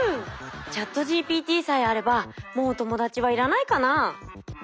ＣｈａｔＧＰＴさえあればもう友達は要らないかな？